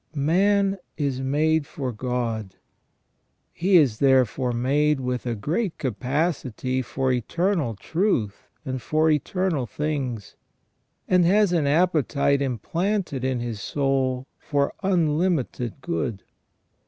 Man is made for God. He is therefore made with a great capacity for eternal truth and for eternal things, and has an ap petite implanted in his soul for unlimited good.